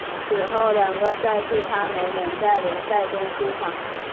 此后两个赛季他没能在联赛中出场。